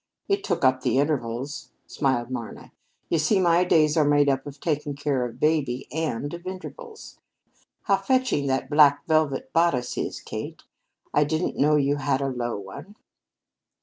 "It took up the intervals," smiled Marna. "You see, my days are made up of taking care of baby, and of intervals. How fetching that black velvet bodice is, Kate. I didn't know you had a low one."